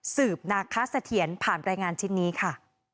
นาคาเสถียรผ่านรายงานชิ้นนี้ค่ะ